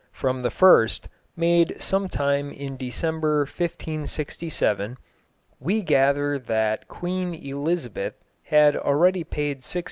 From the first, made some time in December 1567, we gather that Queen Elizabeth had already paid £66.